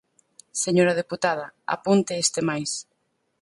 Señora deputada, apunte este máis.